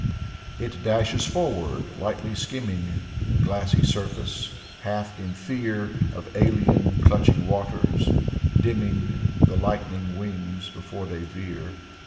It dashes forward, lightly skimming The glassy surface, half in fear Of alien clutching waters — dimming The lightning wings before they veer.